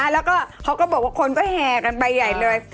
แล้วก็เขาก็บอกว่าคนก็แห่กันไปใหญ่เลย